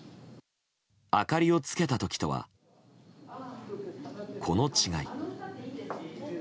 明かりをつけた時とはこの違い。